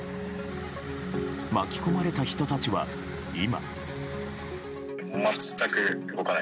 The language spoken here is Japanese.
巻き込まれた人たちは、今。